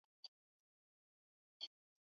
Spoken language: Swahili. Msingi huo unafaa.